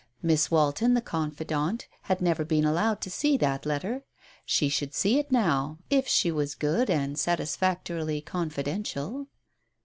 Miss Walton, the confidante, had never been allowed to see that letter. She should see it now, if she was good and satisfactorily confidential